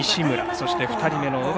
そして２人目の小畠。